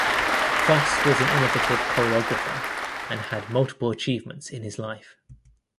Fosse was an innovative choreographer and had multiple achievements in his life.